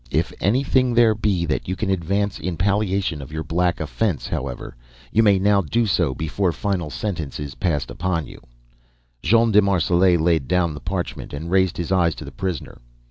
If anything there be that you can advance in palliation of your black offense, however, you may now do so before final sentence is passed upon you." Jean de Marselait laid down the parchment, and raised his eyes to the prisoner.